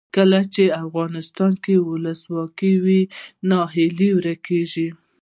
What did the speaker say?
کله چې افغانستان کې ولسواکي وي ناهیلي ورکیږي.